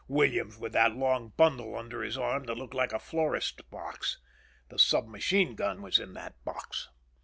Williams with that long bundle under his arm that looked like a florist's box. The sub machine gun was in that box.